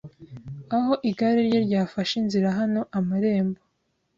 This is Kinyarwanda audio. Aho igare rye ryafashe inzira Hano amarembo